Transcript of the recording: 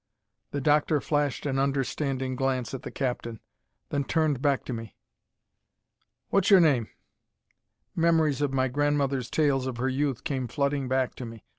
The doctor flashed an understanding glance at the captain, then turned back to me. "What's your name?" Memories of my grandmother's tales of her youth came flooding back to me.